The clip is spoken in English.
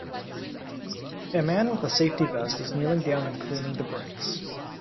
A man with a safety vest is kneeling down and cleaning the bricks.